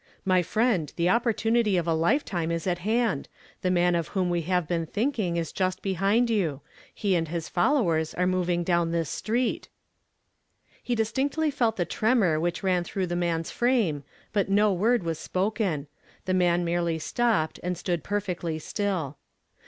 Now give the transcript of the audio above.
" My friend, the opportunity of a lifetime is at hand. The man of whom we have been thinking is just behind you. He and liis followers are mov mg down this street." He distinctly felt the ti emor which ran through the man's frame, but no word was spoken; the "TO orKN THK tMASD EYES." 2ns mail merely stopped aiul stood perfectly still.